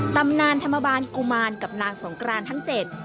ตำนานธรรมบาลกุมารกับนางสงกรานทั้งเจ็ด